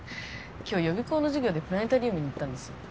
今日予備校の授業でプラネタリウムに行ったんですよ